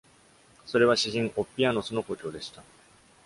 それは詩人オッピアノスの故郷でした。